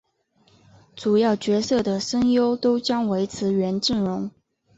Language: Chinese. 主要角色的声优都将维持原阵容。